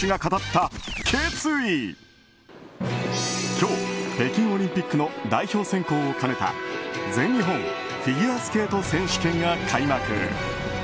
今日、北京オリンピックの代表選考を兼ねた全日本フィギュアスケート選手権が開幕。